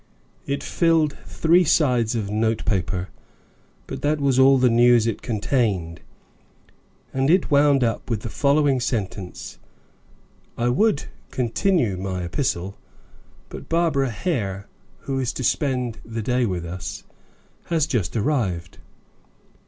It filled three sides of note paper, but that was all the news it contained, and it wound up with the following sentence, "I would continue my epistle, but Barbara Hare, who is to spend the day with us, has just arrived."